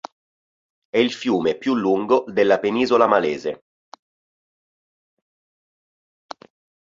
È il fiume più lungo della penisola malese.